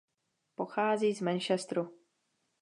Pochází z Manchesteru.